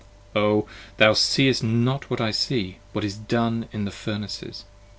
O! thou seest not what I see! what is done in the Furnaces.